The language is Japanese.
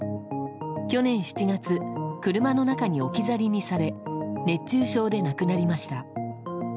去年７月車の中に置き去りにされ熱中症で亡くなりました。